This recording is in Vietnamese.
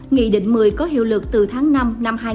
nghị định một mươi có hiệu lực từ tháng năm năm hai nghìn hai mươi